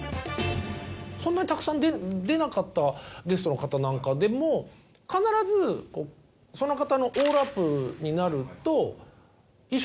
そんなにたくさん出なかったゲストの方なんかでも必ずその方のオールアップになると。